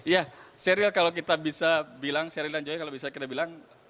ya serial kalau kita bisa bilang seril dan joy kalau bisa kita bilang